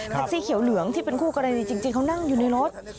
สีเขียวเหลืองที่เป็นคู่กรณีจริงเขานั่งอยู่ในรถ